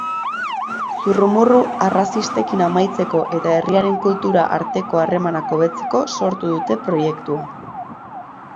Zurrumurru arrazistekin amaitzeko eta herriaren kultura arteko harremanak hobetzeko sortu dute proiektua.